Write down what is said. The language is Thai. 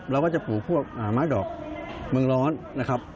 เราก็จะปลูกพวกไม้ดอกเมืองร้อนนะครับ